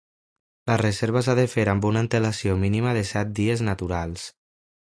La reserva s'ha de fer amb una antelació mínima de set dies naturals.